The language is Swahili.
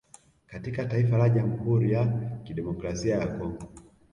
Katika taifa la jamhuri ya kidemokrasia ya congo